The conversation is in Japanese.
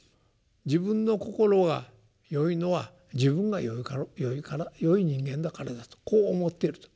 自分の心がよいのは自分がよいからよい人間だからだとこう思っていると。